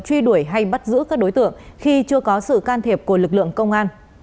truy đuổi hay bắt giữ các đối tượng khi chưa có sự can thiệp của lực lượng công an